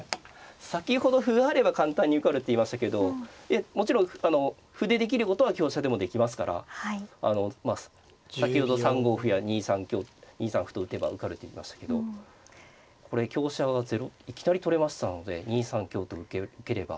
先ほど歩があれば簡単に受かるって言いましたけどもちろん歩でできることは香車でもできますから先ほど３五歩や２三歩と打てば受かるって言いましたけどこれ香車がいきなり取れましたので２三香と受ければ。